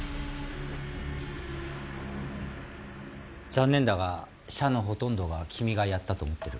残念だが社のほとんどが君がやったと思ってる